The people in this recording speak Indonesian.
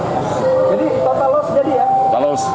jadi total loss jadi ya